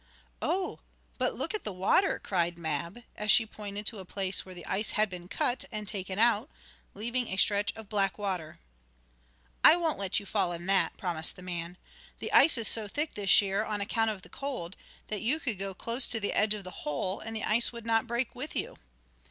"Oh, but look at the water!" cried Mab, as she pointed to a place where the ice had been cut, and taken out, leaving a stretch of black water. "I won't let you fall in that," promised the man. "The ice is so thick this year, on account of the cold, that you could go close to the edge of the hole, and the ice would not break with you.